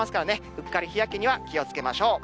うっかり日焼けには気をつけましょう。